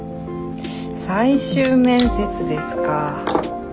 最終面接ですか。